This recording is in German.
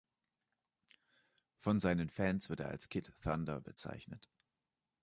Von seinen Fans wird er als „Kid Thunder“ bezeichnet.